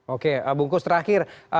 oke bungkus terakhir